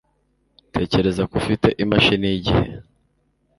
Tekereza ko ufite imashini yigihe.